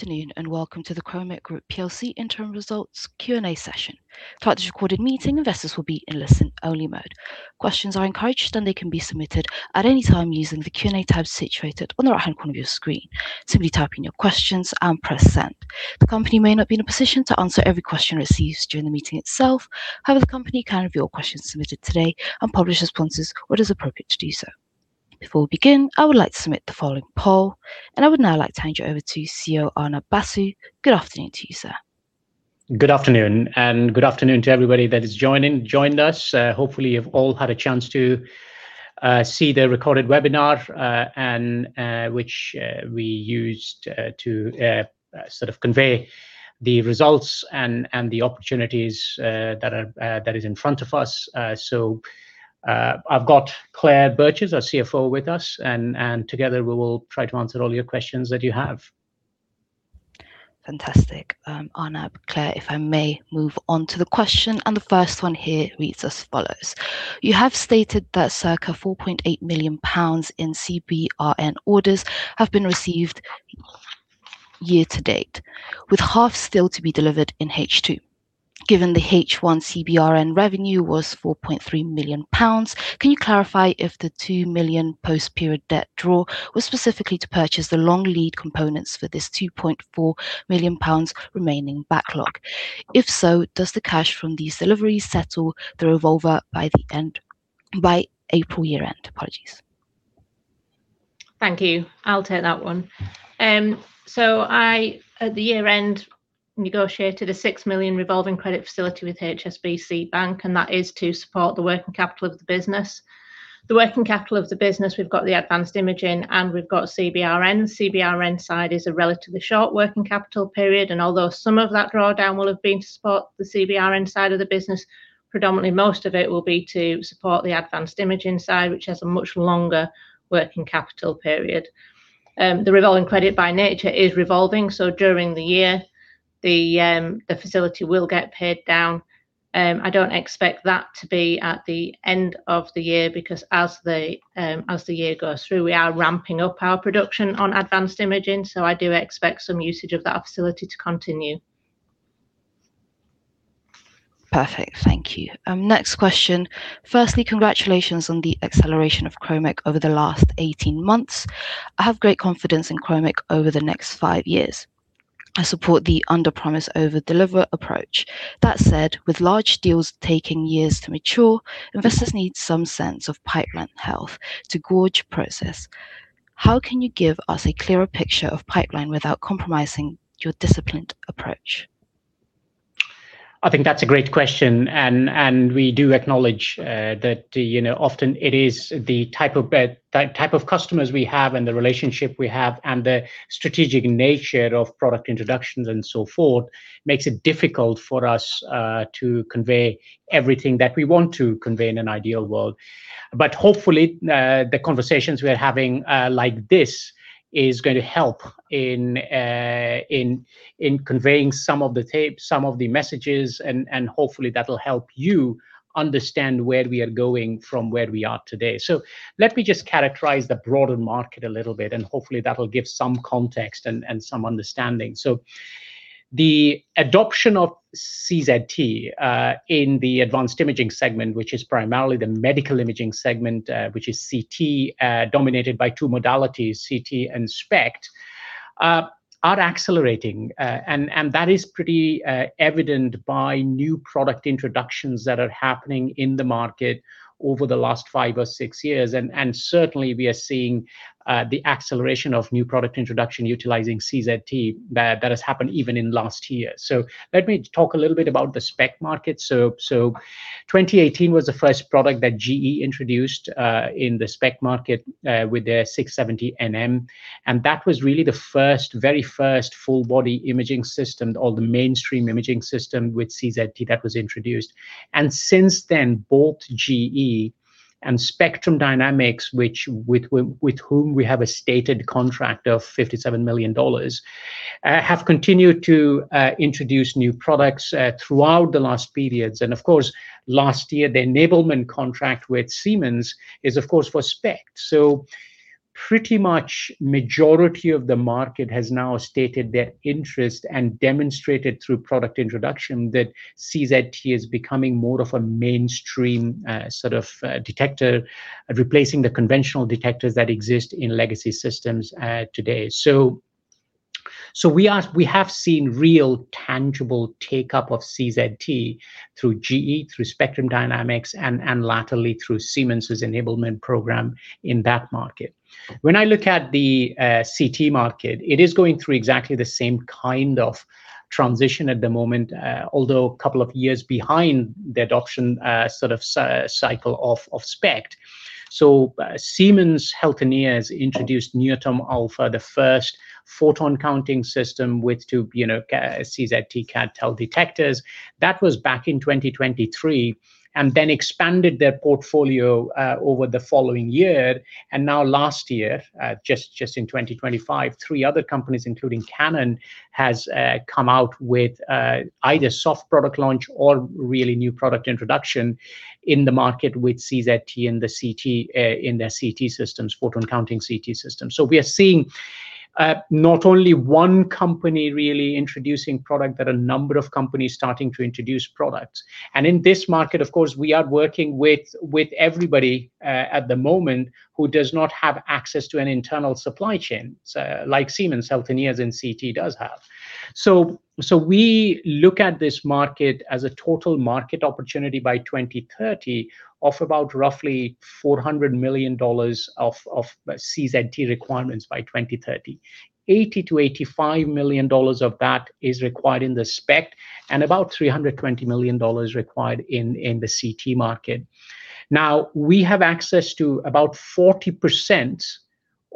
Good afternoon, and welcome to the Kromek Group plc interim results Q&A session. Throughout this recorded meeting, investors will be in listen-only mode. Questions are encouraged, and they can be submitted at any time using the Q&A tab situated on the right-hand corner of your screen. Simply type in your questions and press Send. The company may not be in a position to answer every question received during the meeting itself; however, the company can review all questions submitted today and publish responses where it is appropriate to do so. Before we begin, I would like to submit the following poll, and I would now like to hand you over to CEO, Arnab Basu. Good afternoon to you, sir. Good afternoon, and good afternoon to everybody that is joined us. Hopefully, you've all had a chance to see the recorded webinar, and which we used to sort of convey the results and the opportunities that is in front of us. So, I've got Claire Burgess, our CFO, with us, and together, we will try to answer all your questions that you have. Fantastic, Arnab. Claire, if I may move on to the question, and the first one here reads as follows: You have stated that circa 4.8 million pounds in CBRN orders have been received year to date, with half still to be delivered in H2. Given the H1 CBRN revenue was 4.3 million pounds, can you clarify if the 2 million post-period debt draw was specifically to purchase the long lead components for this 2.4 million pounds remaining backlog? If so, does the cash from these deliveries settle the revolver by April year-end? Apologies. Thank you. I'll take that one. So I, at the year-end, negotiated a 6 million revolving credit facility with HSBC Bank, and that is to support the working capital of the business. The working capital of the business, we've got the advanced imaging, and we've got CBRN. CBRN side is a relatively short working capital period, and although some of that drawdown will have been to support the CBRN side of the business, predominantly, most of it will be to support the advanced imaging side, which has a much longer working capital period. The revolving credit by nature is revolving, so during the year, the facility will get paid down. I don't expect that to be at the end of the year because as the year goes through, we are ramping up our production on advanced imaging, so I do expect some usage of that facility to continue. Perfect. Thank you. Next question: Firstly, congratulations on the acceleration of Kromek over the last 18 months. I have great confidence in Kromek over the next 5 years. I support the underpromise, overdeliver approach. That said, with large deals taking years to mature, investors need some sense of pipeline health to gauge progress. How can you give us a clearer picture of pipeline without compromising your disciplined approach? I think that's a great question, and we do acknowledge that, you know, often it is the type of customers we have and the relationship we have and the strategic nature of product introductions and so forth, makes it difficult for us to convey everything that we want to convey in an ideal world. But hopefully, the conversations we are having like this is going to help in conveying some of the tape, some of the messages, and hopefully, that'll help you understand where we are going from where we are today. So let me just characterize the broader market a little bit, and hopefully, that'll give some context and some understanding. So the adoption of CZT in the advanced imaging segment, which is primarily the medical imaging segment, which is CT, dominated by two modalities, CT and SPECT, are accelerating. And that is pretty evident by new product introductions that are happening in the market over the last five or six years. And certainly, we are seeing the acceleration of new product introduction utilizing CZT, that has happened even in last year. So let me talk a little bit about the SPECT market. So 2018 was the first product that GE introduced in the SPECT market with their 670 NM, and that was really the first, very first full-body imaging system or the mainstream imaging system with CZT that was introduced. And since then, both GE and Spectrum Dynamics, with whom we have a stated contract of $57 million, have continued to introduce new products throughout the last periods. And of course, last year, the enablement contract with Siemens is, of course, for SPECT. So pretty much majority of the market has now stated their interest and demonstrated through product introduction that CZT is becoming more of a mainstream sort of detector, replacing the conventional detectors that exist in legacy systems today. So we have seen real tangible take-up of CZT through GE, through Spectrum Dynamics, and latterly through Siemens's enablement program in that market. When I look at the, CT market, it is going through exactly the same kind of transition at the moment, although a couple of years behind the adoption, sort of, cycle of SPECT. So, Siemens Healthineers introduced NAEOTOM Alpha, the first photon-counting system with two, you know, CZT-based detectors. That was back in 2023, and then expanded their portfolio, over the following year. And now last year, just, just in 2025, three other companies, including Canon, has, come out with, either soft product launch or really new product introduction in the market with CZT in the CT, in their CT systems, photon counting CT systems. So we are seeing not only one company really introducing product, but a number of companies starting to introduce products. And in this market, of course, we are working with, with everybody at the moment who does not have access to an internal supply chain, so like Siemens Healthineers and CT does have. So, so we look at this market as a total market opportunity by 2030 of about roughly $400 million of CZT requirements by 2030. $80 million-$85 million of that is required in the SPECT, and about $320 million required in the CT market. Now, we have access to about 40%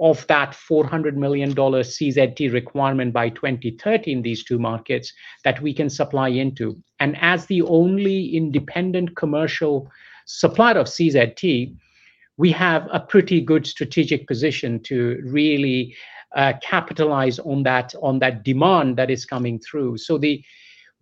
of that $400 million CZT requirement by 2030 in these two markets that we can supply into. And as the only independent commercial supplier of CZT, we have a pretty good strategic position to really capitalize on that, on that demand that is coming through. So,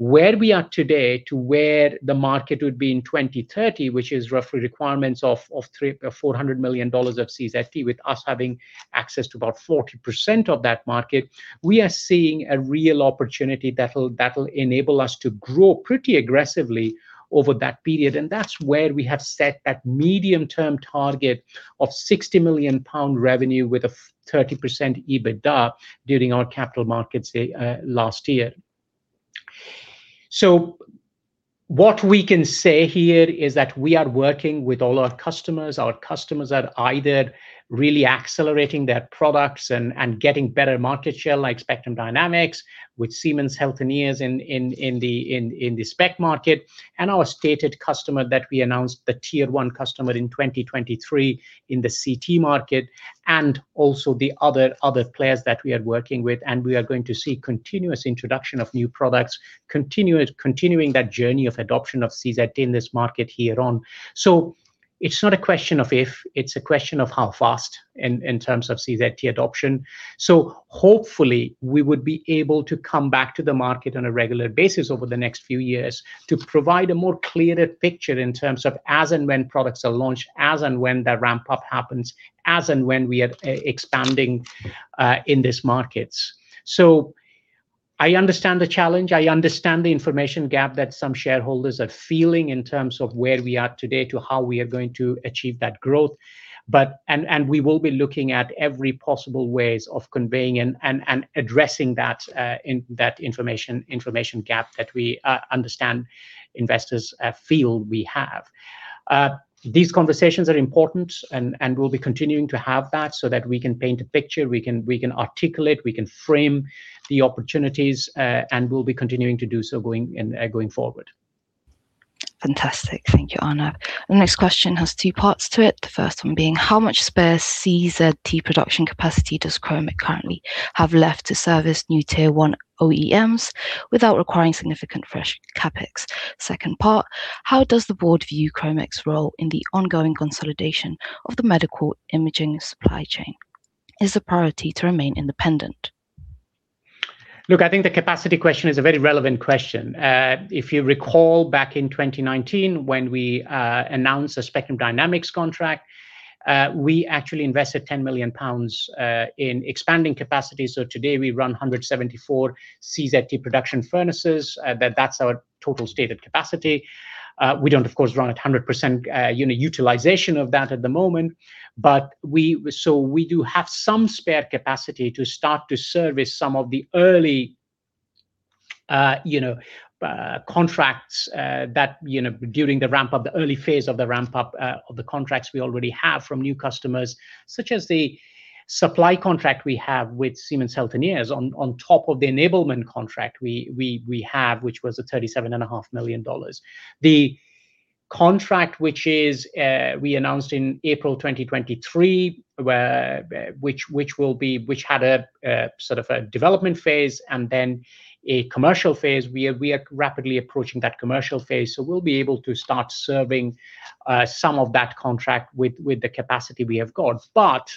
where we are today to where the market would be in 2030, which is roughly requirements of $300 million-$400 million of CZT, with us having access to about 40% of that market, we are seeing a real opportunity that will enable us to grow pretty aggressively over that period. And that's where we have set that medium-term target of £60 million revenue with a 30% EBITDA during our Capital Markets Day last year. So what we can say here is that we are working with all our customers. Our customers are either really accelerating their products and getting better market share, like Spectrum Dynamics, with Siemens Healthineers in the SPECT market, and our stated customer that we announced, the tier one customer in 2023 in the CT market, and also the other players that we are working with. We are going to see continuous introduction of new products, continuing that journey of adoption of CZT in this market here on. So it's not a question of if, it's a question of how fast in terms of CZT adoption. So hopefully we would be able to come back to the market on a regular basis over the next few years to provide a more clearer picture in terms of as and when products are launched, as and when that ramp-up happens, as and when we are expanding in these markets. So I understand the challenge, I understand the information gap that some shareholders are feeling in terms of where we are today to how we are going to achieve that growth. But we will be looking at every possible ways of conveying and addressing that in that information gap that we understand investors feel we have. These conversations are important, and we'll be continuing to have that so that we can paint a picture, we can articulate, we can frame the opportunities, and we'll be continuing to do so going forward. Fantastic. Thank you, Arnab. The next question has two parts to it. The first one being: how much spare CZT production capacity does Kromek currently have left to service new tier one OEMs without requiring significant fresh CapEx? Second part: How does the board view Kromek's role in the ongoing consolidation of the medical imaging supply chain? Is the priority to remain independent? Look, I think the capacity question is a very relevant question. If you recall, back in 2019, when we announced the Spectrum Dynamics contract, we actually invested 10 million pounds in expanding capacity. So today we run 174 CZT production furnaces, that's our total stated capacity. We don't, of course, run at 100%, you know, utilization of that at the moment, but we so we do have some spare capacity to start to service some of the early contracts that you know during the ramp-up, the early phase of the ramp-up of the contracts we already have from new customers, such as the supply contract we have with Siemens Healthineers on top of the enablement contract we have, which was a $37.5 million. The contract, which is, we announced in April 2023, where, which had a sort of a development phase and then a commercial phase, we are rapidly approaching that commercial phase, so we'll be able to start serving some of that contract with the capacity we have got. But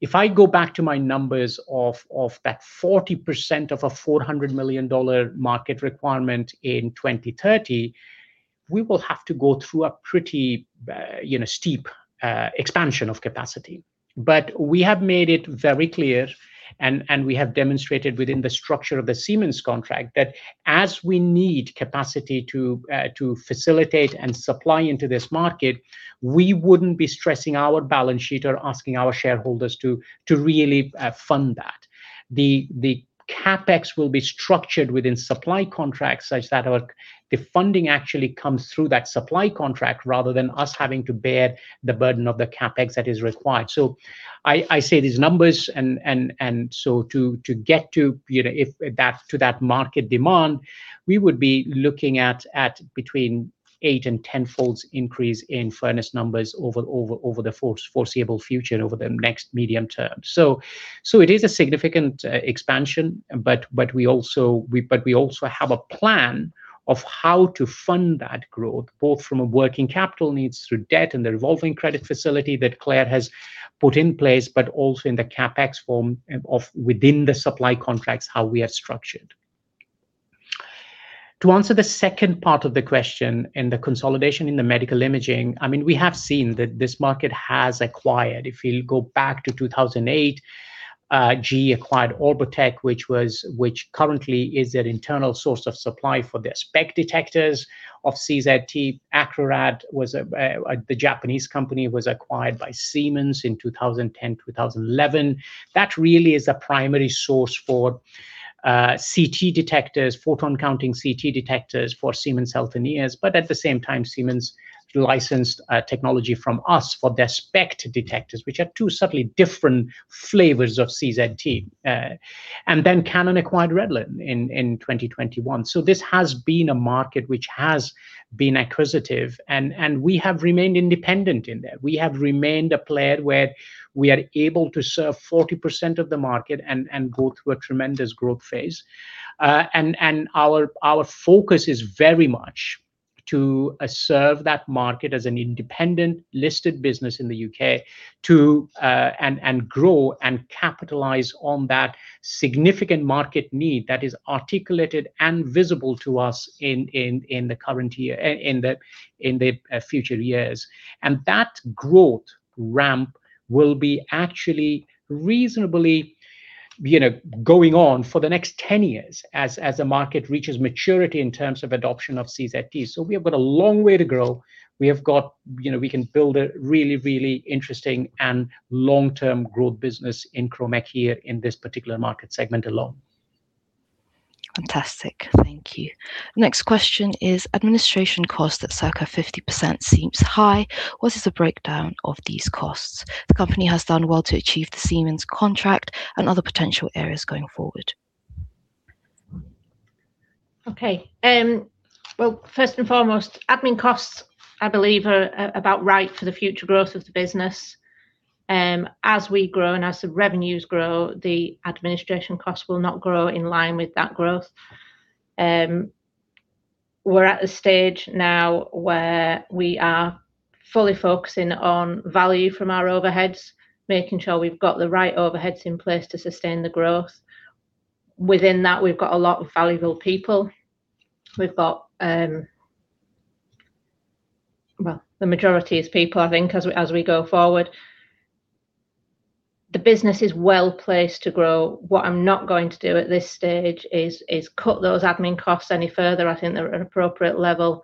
if I go back to my numbers of that 40% of a $400 million market requirement in 2030, we will have to go through a pretty, you know, steep expansion of capacity. But we have made it very clear, and we have demonstrated within the structure of the Siemens contract, that as we need capacity to facilitate and supply into this market, we wouldn't be stressing our balance sheet or asking our shareholders to really fund that. The CapEx will be structured within supply contracts, such that the funding actually comes through that supply contract, rather than us having to bear the burden of the CapEx that is required. So I say these numbers, and so to get to, you know, that market demand, we would be looking at between 8 and 10 folds increase in furnace numbers over the foreseeable future and over the next medium term. So it is a significant expansion, but we also have a plan of how to fund that growth, both from a working capital needs through debt and the revolving credit facility that Claire has put in place, but also in the CapEx form of within the supply contracts, how we are structured. To answer the second part of the question in the consolidation in the medical imaging, I mean, we have seen that this market has acquired. If you go back to 2008, GE acquired Orbotech, which currently is their internal source of supply for their SPECT detectors of CZT. Acrorad was the Japanese company, was acquired by Siemens in 2010, 2011. That really is a primary source for CT detectors, photon counting CT detectors for Siemens Healthineers, but at the same time, Siemens licensed technology from us for their SPECT detectors, which are two subtly different flavors of CZT. And then Canon acquired Redlen in 2021. So this has been a market which has been acquisitive, and we have remained independent in that. We have remained a player where we are able to serve 40% of the market and go through a tremendous growth phase. And our focus is very much to serve that market as an independent listed business in the U.K., and grow and capitalize on that significant market need that is articulated and visible to us in the current year, in the future years. And that growth ramp will be actually reasonably, you know, going on for the next 10 years as the market reaches maturity in terms of adoption of CZT. So we have got a long way to grow. We have got... You know, we can build a really, really interesting and long-term growth business in Kromek here in this particular market segment alone. Fantastic. Thank you. Next question is: administration costs at circa 50% seems high. What is the breakdown of these costs? The company has done well to achieve the Siemens contract and other potential areas going forward. Okay, well, first and foremost, admin costs, I believe, are about right for the future growth of the business. As we grow and as the revenues grow, the administration costs will not grow in line with that growth. We're at a stage now where we are fully focusing on value from our overheads, making sure we've got the right overheads in place to sustain the growth. Within that, we've got a lot of valuable people. We've got, well, the majority is people, I think, as we go forward. The business is well placed to grow. What I'm not going to do at this stage is cut those admin costs any further. I think they're at an appropriate level.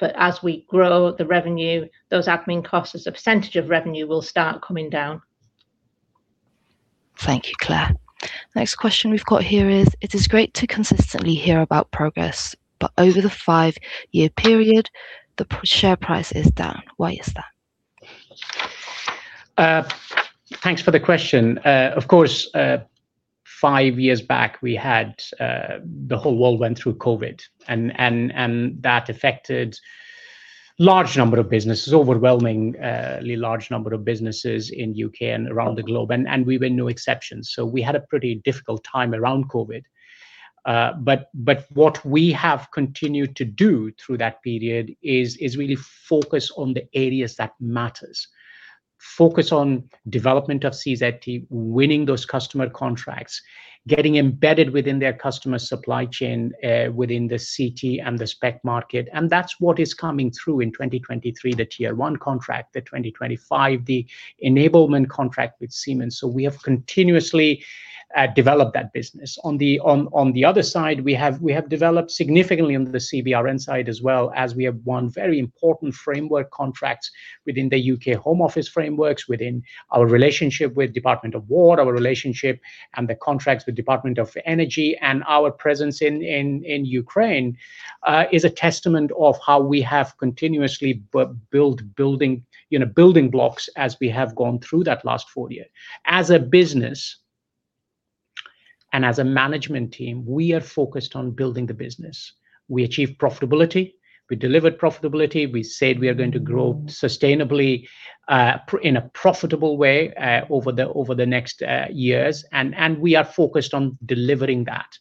But as we grow the revenue, those admin costs as a percentage of revenue will start coming down. Thank you, Claire. Next question we've got here is: It is great to consistently hear about progress, but over the five-year period, the share price is down. Why is that? Thanks for the question. Of course, five years back, we had the whole world went through COVID, and that affected large number of businesses, overwhelmingly large number of businesses in U.K. and around the globe, and we were no exception. So we had a pretty difficult time around COVID. But what we have continued to do through that period is really focus on the areas that matters, focus on development of CZT, winning those customer contracts, getting embedded within their customer supply chain, within the CT and the SPECT market, and that's what is coming through in 2023, the tier one contract, the 2025, the enablement contract with Siemens. So we have continuously developed that business. On the other side, we have developed significantly under the CBRN side as well, as we have won very important framework contracts within the UK Home Office frameworks, within our relationship with Department of Defense, our relationship and the contracts with Department of Energy, and our presence in Ukraine is a testament of how we have continuously built building, you know, building blocks as we have gone through that last four years. As a business and as a management team, we are focused on building the business. We achieved profitability. We delivered profitability. We said we are going to grow sustainably in a profitable way over the next years, and we are focused on delivering that.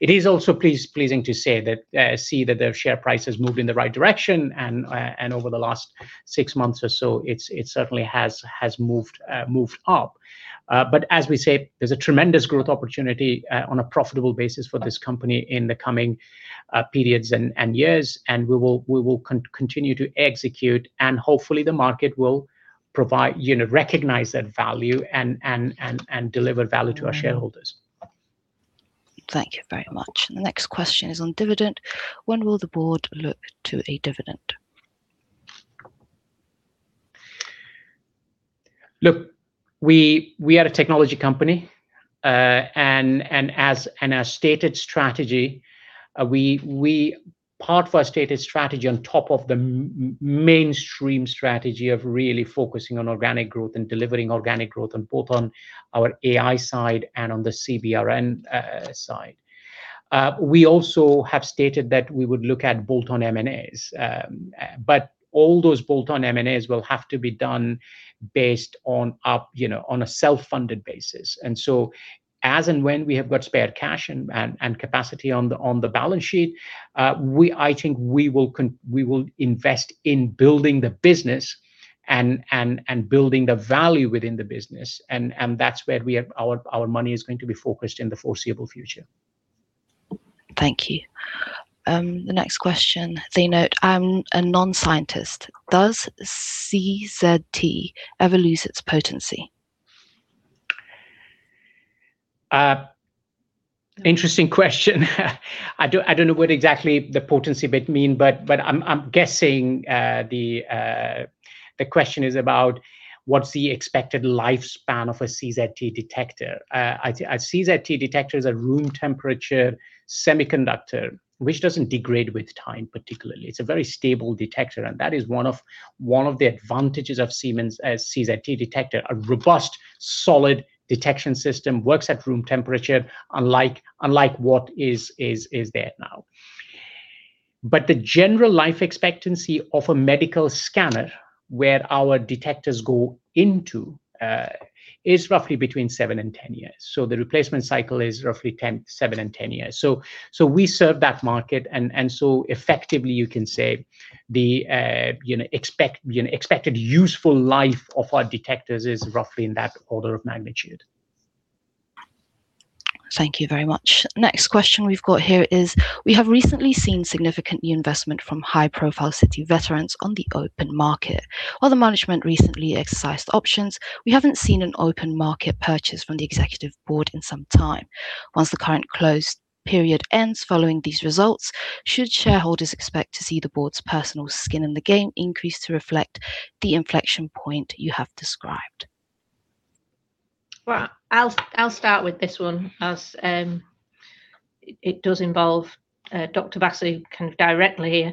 It is also pleasing to say that, see that the share price has moved in the right direction, and over the last six months or so, it certainly has moved up. But as we say, there's a tremendous growth opportunity on a profitable basis for this company in the coming periods and years, and we will continue to execute, and hopefully, the market will provide, you know, recognize that value and deliver value to our shareholders. Thank you very much. The next question is on dividend. When will the board look to a dividend? Look, we are a technology company, and as our stated strategy, we... Part of our stated strategy on top of the mainstream strategy of really focusing on organic growth and delivering organic growth on both our AI side and on the CBRN side. We also have stated that we would look at bolt-on M&As, but all those bolt-on M&As will have to be done based on, you know, on a self-funded basis. And so as and when we have got spare cash and capacity on the balance sheet, I think we will invest in building the business and building the value within the business, and that's where our money is going to be focused in the foreseeable future. Thank you. The next question, they note, "I'm a non-scientist. Does CZT ever lose its potency? Interesting question. I don't know what exactly the potency bit mean, but I'm guessing the question is about what's the expected lifespan of a CZT detector. A CZT detector is a room temperature semiconductor, which doesn't degrade with time, particularly. It's a very stable detector, and that is one of the advantages of Siemens' CZT detector. A robust, solid detection system, works at room temperature, unlike what is there now. But the general life expectancy of a medical scanner, where our detectors go into, is roughly between 7 and 10 years. So the replacement cycle is roughly 7-10 years. So we serve that market, and so effectively you can say the, you know, expected useful life of our detectors is roughly in that order of magnitude. Thank you very much. Next question we've got here is, "We have recently seen significant investment from high-profile city veterans on the open market. While the management recently exercised options, we haven't seen an open market purchase from the executive board in some time. Once the current closed period ends following these results, should shareholders expect to see the board's personal skin in the game increase to reflect the inflection point you have described? Well, I'll start with this one, as it does involve Dr. Basu kind of directly here.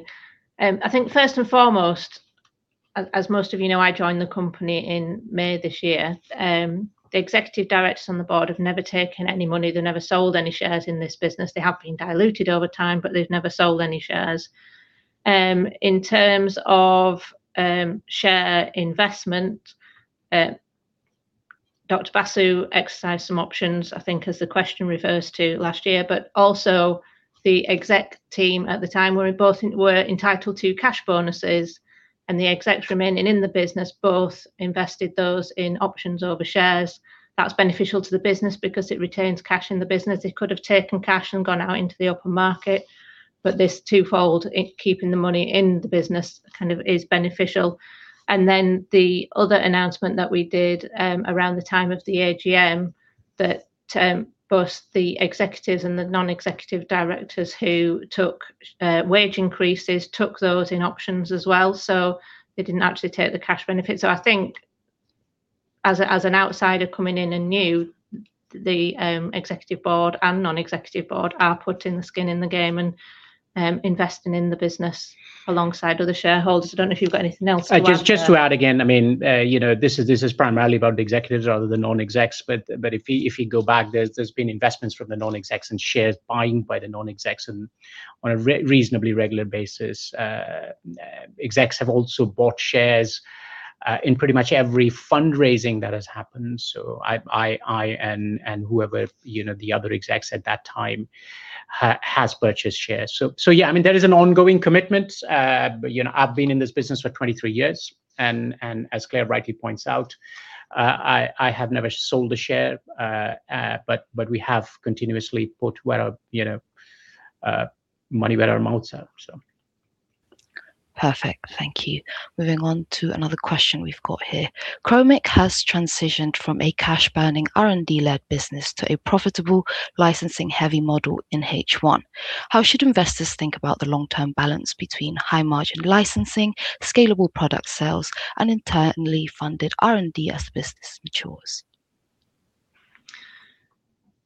I think first and foremost, as most of you know, I joined the company in May this year. The executive directors on the board have never taken any money. They've never sold any shares in this business. They have been diluted over time, but they've never sold any shares. In terms of share investment, Dr. Basu exercised some options, I think as the question refers to last year, but also the exec team at the time were both entitled to cash bonuses, and the execs remaining in the business both invested those in options over shares. That's beneficial to the business because it retains cash in the business. They could have taken cash and gone out into the open market, but this twofold, it keeping the money in the business, kind of is beneficial. And then the other announcement that we did, around the time of the AGM, that both the executives and the non-executive directors who took wage increases, took those in options as well. So they didn't actually take the cash benefit. So I think as an outsider coming in and new, the executive board and non-executive board are putting the skin in the game and investing in the business alongside other shareholders. I don't know if you've got anything else to add there. Just to add again, I mean, you know, this is primarily about executives rather than non-execs, but if you go back, there's been investments from the non-execs and shares buying by the non-execs and on a reasonably regular basis. Execs have also bought shares in pretty much every fundraising that has happened. So I and whoever, you know, the other execs at that time has purchased shares. So yeah, I mean, there is an ongoing commitment. You know, I've been in this business for 23 years and as Claire rightly points out, I have never sold a share, but we have continuously put money where our mouths are, so. Perfect. Thank you. Moving on to another question we've got here. "Kromek has transitioned from a cash-burning, R&D-led business to a profitable, licensing-heavy model in H1. How should investors think about the long-term balance between high-margin licensing, scalable product sales, and internally funded R&D as the business matures?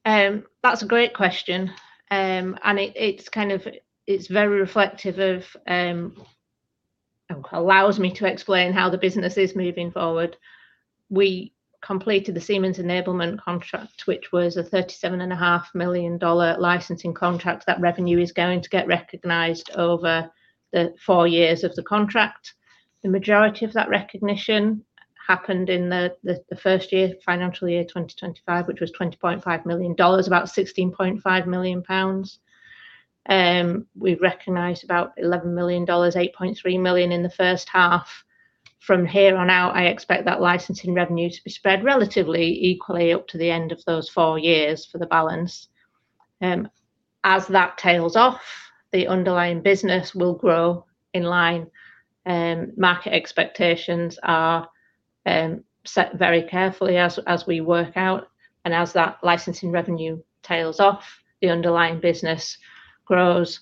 That's a great question. And it's kind of very reflective of allows me to explain how the business is moving forward. We completed the Siemens enablement contract, which was a $37.5 million licensing contract. That revenue is going to get recognized over the four years of the contract. The majority of that recognition happened in the first year, financial year 2025, which was $20.5 million, about 16.5 million pounds. We've recognized about $11 million, 8.3 million in the first half. From here on out, I expect that licensing revenue to be spread relatively equally up to the end of those four years for the balance. As that tails off, the underlying business will grow in line, market expectations are set very carefully as we work out, and as that licensing revenue tails off, the underlying business grows.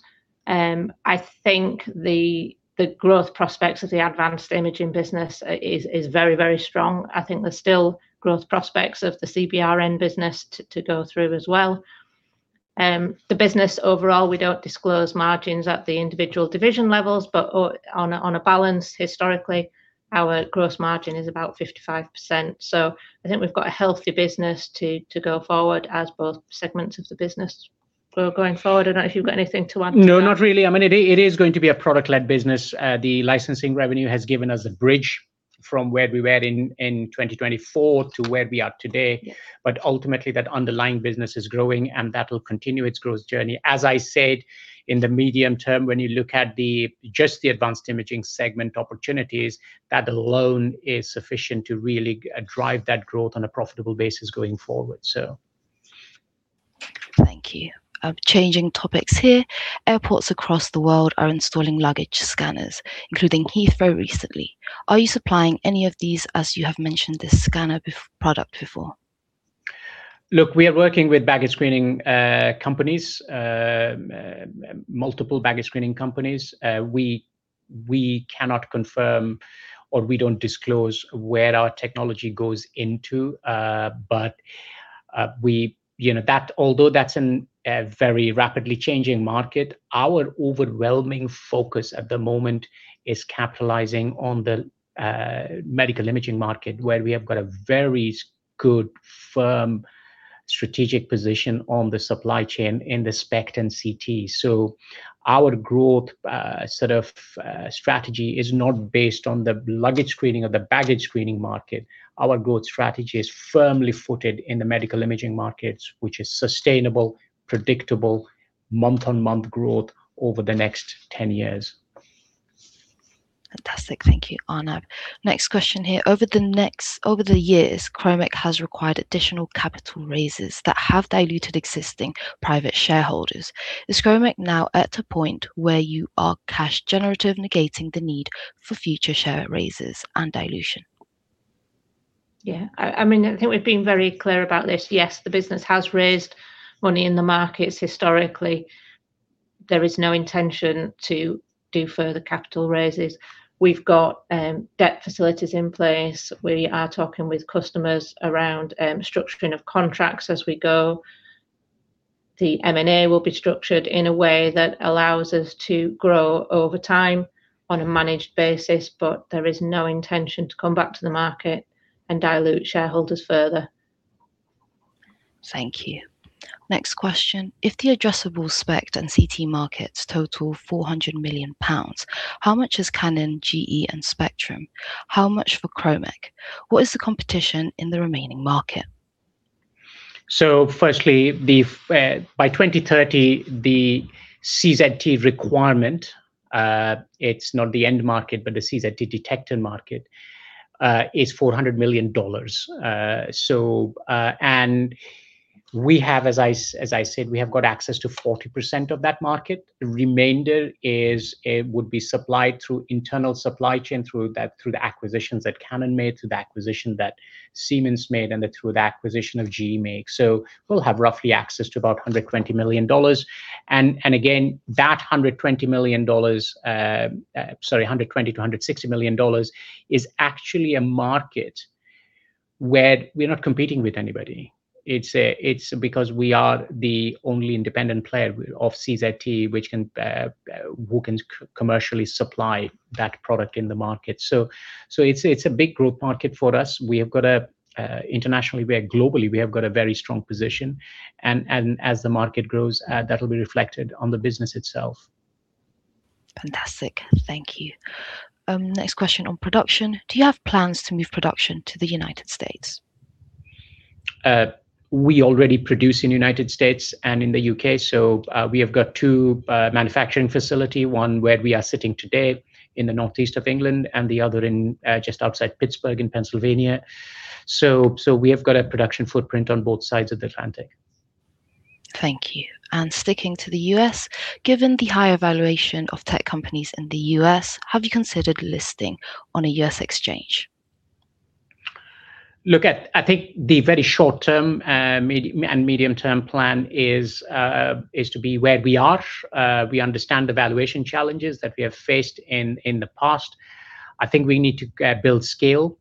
I think the growth prospects of the advanced imaging business is very, very strong. I think there's still growth prospects of the CBRN business to go through as well. The business overall, we don't disclose margins at the individual division levels, but on a balance, historically, our gross margin is about 55%. So I think we've got a healthy business to go forward as both segments of the business going forward. I don't know if you've got anything to add to that. No, not really. I mean, it is going to be a product-led business. The licensing revenue has given us a bridge from where we were in 2024 to where we are today. Yeah. But ultimately, that underlying business is growing, and that will continue its growth journey. As I said, in the medium term, when you look at the, just the advanced imaging segment opportunities, that alone is sufficient to really drive that growth on a profitable basis going forward, so. Thank you. Changing topics here, airports across the world are installing luggage scanners, including Heathrow recently. Are you supplying any of these, as you have mentioned, the scanner product before? Look, we are working with baggage screening companies, multiple baggage screening companies. We cannot confirm or we don't disclose where our technology goes into. But we, you know, that although that's a very rapidly changing market, our overwhelming focus at the moment is capitalizing on the medical imaging market, where we have got a very good, firm strategic position on the supply chain in the SPECT and CT. So our growth, sort of, strategy is not based on the luggage screening or the baggage screening market. Our growth strategy is firmly footed in the medical imaging markets, which is sustainable, predictable, month-on-month growth over the next 10 years. Fantastic. Thank you, Arnab. Next question here. Over the years, Kromek has required additional capital raises that have diluted existing private shareholders. Is Kromek now at a point where you are cash generative, negating the need for future share raises and dilution? Yeah. I, I mean, I think we've been very clear about this. Yes, the business has raised money in the markets historically. There is no intention to do further capital raises. We've got debt facilities in place. We are talking with customers around structuring of contracts as we go. The M&A will be structured in a way that allows us to grow over time on a managed basis, but there is no intention to come back to the market and dilute shareholders further. Thank you. Next question: If the addressable SPECT and CT markets total 400 million pounds, how much is Canon, GE, and Spectrum? How much for Kromek? What is the competition in the remaining market? So firstly, by 2030, the CZT requirement, it's not the end market, but the CZT detector market, is $400 million. So, and we have, as I said, we have got access to 40% of that market. The remainder would be supplied through internal supply chain, through the acquisitions that Canon made, through the acquisition that Siemens made, and then through the acquisition of GE HealthCare. So we'll have roughly access to about $120 million, and again, that $120 million, Sorry, $120 million-$160 million is actually a market where we're not competing with anybody. It's because we are the only independent player of CZT, who can commercially supply that product in the market. So, it's a big growth market for us. We have got a, internationally, where globally, we have got a very strong position, and as the market grows, that'll be reflected on the business itself. Fantastic. Thank you. Next question on production: Do you have plans to move production to the United States? We already produce in United States and in the UK, so we have got two manufacturing facility, one where we are sitting today in the northeast of England and the other in just outside Pittsburgh in Pennsylvania. So we have got a production footprint on both sides of the Atlantic. Thank you. Sticking to the U.S., given the higher valuation of tech companies in the U.S., have you considered listing on a U.S. exchange? Look, I think the very short term, mid, and medium-term plan is to be where we are. We understand the valuation challenges that we have faced in the past. I think we need to build scale.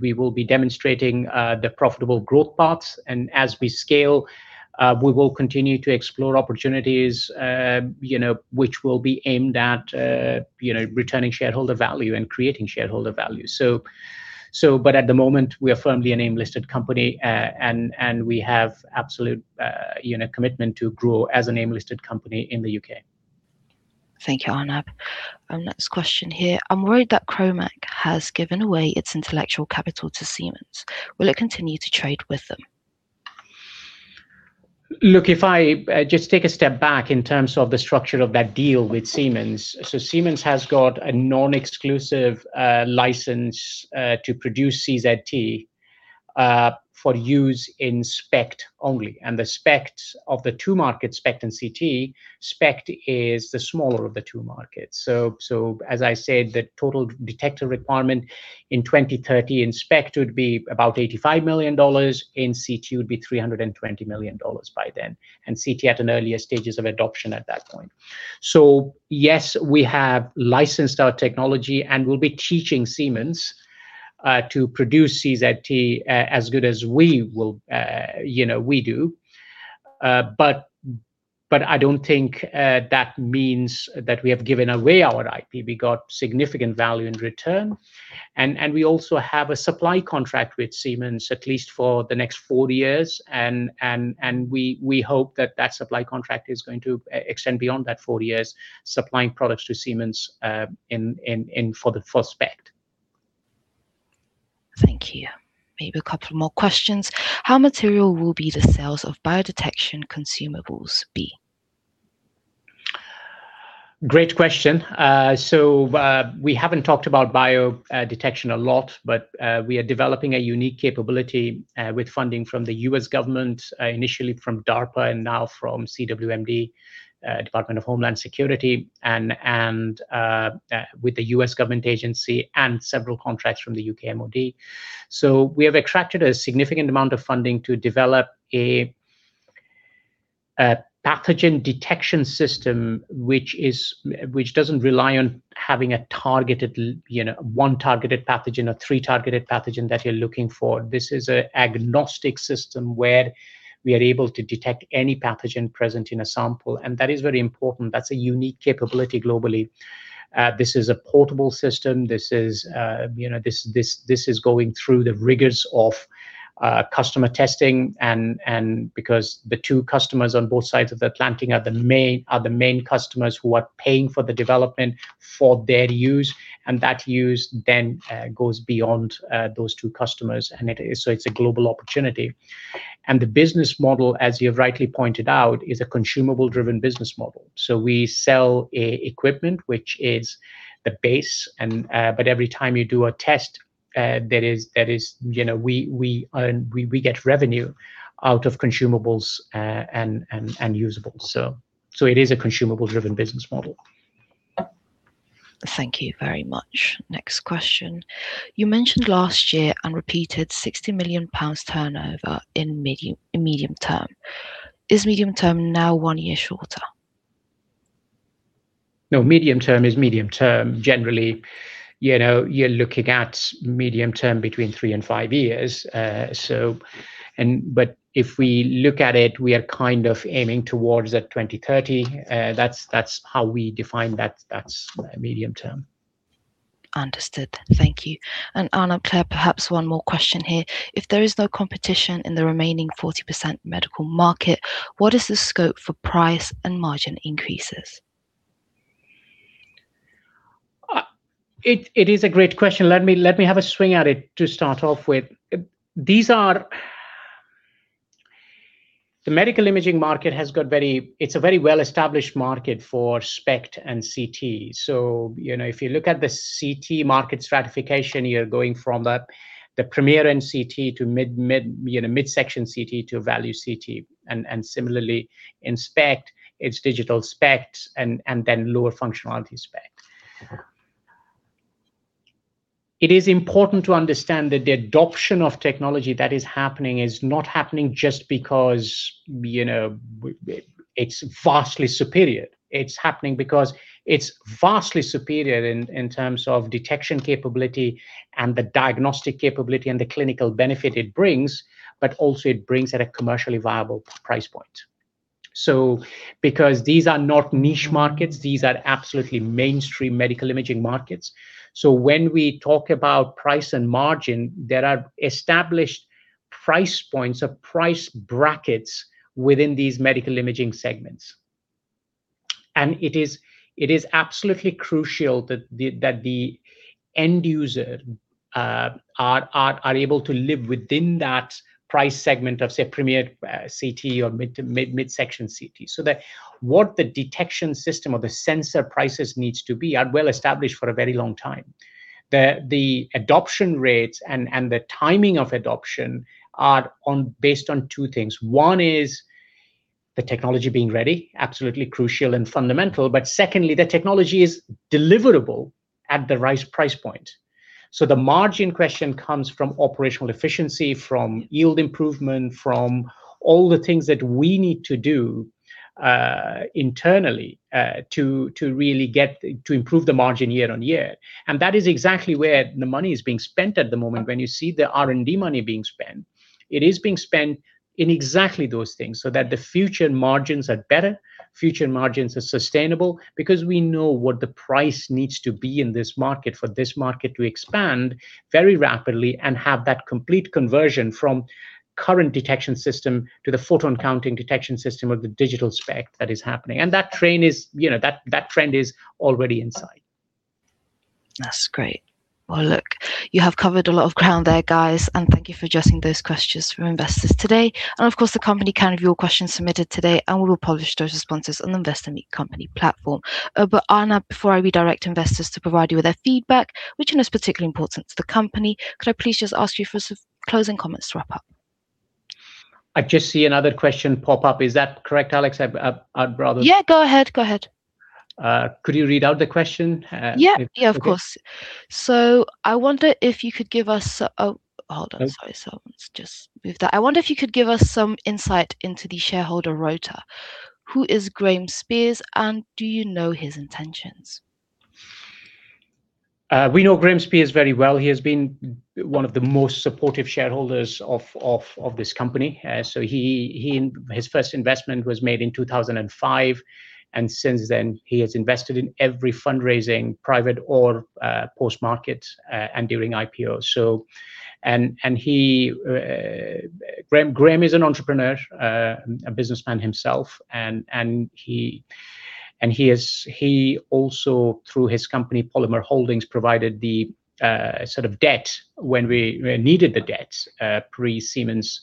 We will be demonstrating the profitable growth paths, and as we scale, we will continue to explore opportunities, you know, which will be aimed at, you know, returning shareholder value and creating shareholder value. So but at the moment, we are firmly an AIM-listed company, and we have absolute, you know, commitment to grow as an AIM-listed company in the UK. Thank you, Arnab. Next question here. I'm worried that Kromek has given away its intellectual capital to Siemens. Will it continue to trade with them? Look, if I just take a step back in terms of the structure of that deal with Siemens. So Siemens has got a non-exclusive license to produce CZT for use in SPECT only, and the SPECT of the two markets, SPECT and CT, SPECT is the smaller of the two markets. So, as I said, the total detector requirement in 2030 in SPECT would be about $85 million. In CT, it would be $320 million by then, and CT at an earlier stages of adoption at that point. So yes, we have licensed our technology, and we'll be teaching Siemens to produce CZT as good as we will, you know, we do. But I don't think that means that we have given away our IP. We got significant value in return, and we also have a supply contract with Siemens, at least for the next four years, and we hope that that supply contract is going to extend beyond that four years, supplying products to Siemens for SPECT. Thank you. Maybe a couple more questions. How material will be the sales of biodetection consumables be? Great question. So, we haven't talked about biodetection a lot, but we are developing a unique capability with funding from the US government, initially from DARPA and now from CWMD, Department of Homeland Security, and with the US government agency and several contracts from the UK MOD. So we have attracted a significant amount of funding to develop a pathogen detection system, which doesn't rely on having a targeted, you know, one targeted pathogen or three targeted pathogen that you're looking for. This is a agnostic system where we are able to detect any pathogen present in a sample, and that is very important. That's a unique capability globally. This is a portable system. This is, you know, this is going through the rigors of customer testing, and because the two customers on both sides of the Atlantic are the main customers who are paying for the development for their use, and that use then goes beyond those two customers, and it is... So it's a global opportunity. And the business model, as you have rightly pointed out, is a consumable-driven business model. So we sell equipment, which is the base, and but every time you do a test, that is, you know, we earn, we get revenue out of consumables and usables. So it is a consumable-driven business model. Thank you very much. Next question: You mentioned last year and repeated 60 million pounds turnover in medium, in medium term. Is medium term now one year shorter? No, medium term is medium term. Generally, you know, you're looking at medium term between 3 and 5 years. If we look at it, we are kind of aiming towards that 2030. That's, that's how we define that. That's medium term. Understood. Thank you. And Arnab, Claire, perhaps one more question here. If there is no competition in the remaining 40% medical market, what is the scope for price and margin increases? It is a great question. Let me have a swing at it to start off with. The medical imaging market has got very. It's a very well-established market for SPECT and CT. So, you know, if you look at the CT market stratification, you're going from the premium CT to midsection CT to a value CT, and similarly, in SPECT, it's digital SPECT and then lower functionality SPECT. It is important to understand that the adoption of technology that is happening is not happening just because, you know, it's vastly superior. It's happening because it's vastly superior in terms of detection capability and the diagnostic capability and the clinical benefit it brings, but also it brings at a commercially viable price point. So because these are not niche markets, these are absolutely mainstream medical imaging markets. So when we talk about price and margin, there are established price points or price brackets within these medical imaging segments. And it is absolutely crucial that the end user are able to live within that price segment of, say, premier CT or mid-section CT. So that what the detection system or the sensor prices needs to be are well established for a very long time. The adoption rates and the timing of adoption are based on two things. One is the technology being ready, absolutely crucial and fundamental. But secondly, the technology is deliverable at the right price point. So the margin question comes from operational efficiency, from yield improvement, from all the things that we need to do internally to really get to improve the margin year on year. And that is exactly where the money is being spent at the moment. When you see the R&D money being spent, it is being spent in exactly those things so that the future margins are better, future margins are sustainable because we know what the price needs to be in this market for this market to expand very rapidly and have that complete conversion from current detection system to the photon-counting detection system or the digital SPECT that is happening. And that train is, you know, that trend is already in sight. That's great. Well, look, you have covered a lot of ground there, guys, and thank you for addressing those questions from investors today. And of course, the company can have your questions submitted today, and we will publish those responses on the InvestorMeet Company platform. But Arnab, before I redirect investors to provide you with their feedback, which is particularly important to the company, could I please just ask you for some closing comments to wrap up? I just see another question pop up. Is that correct, Alex? I'd rather- Yeah, go ahead, go ahead. Could you read out the question? Yeah. Yeah, of course. Okay. I wonder if you could give us, Okay. Sorry, so let's just move that. I wonder if you could give us some insight into the shareholder roster. Who is Graeme Speirs, and do you know his intentions? We know Graeme Speirs very well. He has been one of the most supportive shareholders of this company. So his first investment was made in 2005, and since then, he has invested in every fundraising, private or post-market, and during IPO. So and he Graham, Graeme is an entrepreneur, a businessman himself, and he also, through his company, Polymer Holdings, provided the sort of debt when we needed the debt, pre Siemens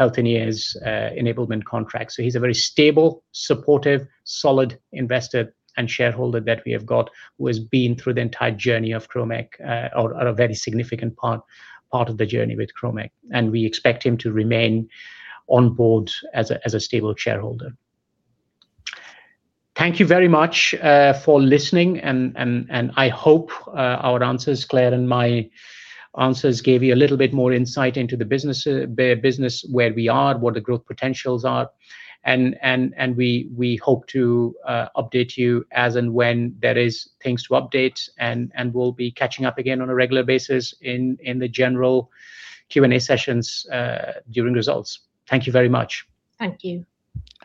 Healthineers enablement contract. So he's a very stable, supportive, solid investor and shareholder that we have got, who has been through the entire journey of Kromek, or a very significant part of the journey with Kromek, and we expect him to remain on board as a stable shareholder. Thank you very much for listening, and I hope our answers, Claire, and my answers gave you a little bit more insight into the business, business, where we are, what the growth potentials are. And we hope to update you as and when there is things to update, and we'll be catching up again on a regular basis in the general Q&A sessions during results. Thank you very much. Thank you.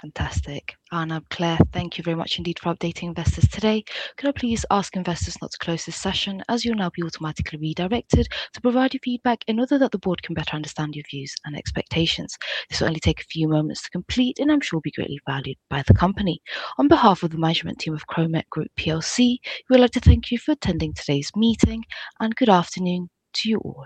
Fantastic. Arnab, Claire, thank you very much indeed for updating investors today. Could I please ask investors now to close this session, as you'll now be automatically redirected to provide your feedback in order that the board can better understand your views and expectations. This will only take a few moments to complete and I'm sure will be greatly valued by the company. On behalf of the management team of Kromek Group plc, we would like to thank you for attending today's meeting, and good afternoon to you all.